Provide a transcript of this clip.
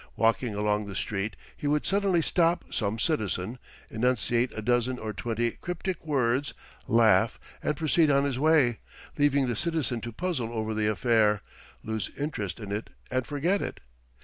Walking along the street he would suddenly stop some citizen, enunciate a dozen or twenty cryptic words, laugh, and proceed on his way, leaving the citizen to puzzle over the affair, lose interest in it and forget it.